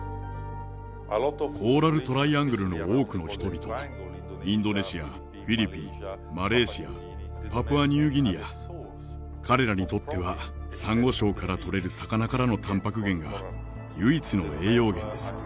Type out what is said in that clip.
コーラル・トライアングルの多くの人々インドネシアフィリピンマレーシアパプアニューギニア彼らにとってはサンゴ礁から取れる魚からのタンパク源が唯一の栄養源です。